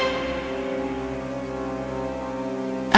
saya harus pergi ke luar sana